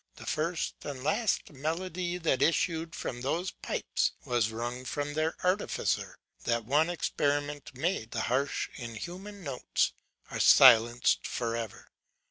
The first and last melody that issued from those pipes was wrung from their artificer; that one experiment made, the harsh, inhuman notes are silenced for ever.